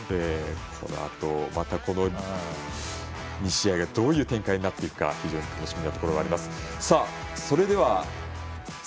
このあとこの２試合がどういう展開になっていくか非常に楽しみなところです。